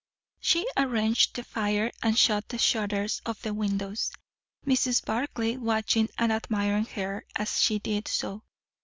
She arranged the fire and shut the shutters of the windows; Mrs. Barclay watching and admiring her as she did so.